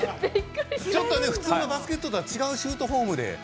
ちょっと普通のバスケットとは違うシュートフォームで。